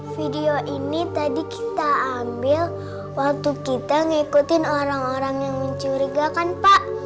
video ini tadi kita ambil waktu kita ngikutin orang orang yang mencurigakan pak